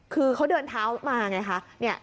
คือเขาเดินเท้ามาไงคะ